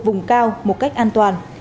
vùng cao một cách an toàn